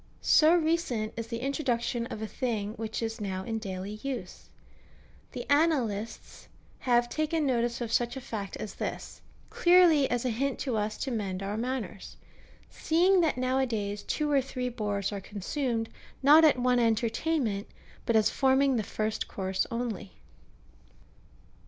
So recent is the introduction of a thing which is now in daily use. The Annalists have taken notice of such a fact as this, clearly as a hint to us to mend our manners ; seeing that now a days two or three boars are consumed, not at one entertainment, but as forming the first course only.